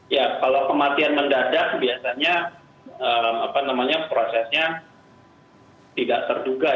ya kalau kematian mendadak biasanya prosesnya tidak terduga